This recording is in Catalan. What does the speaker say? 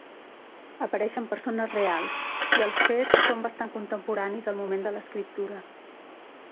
Apareixen persones reals i els fets són bastant contemporanis al moment de l'escriptura.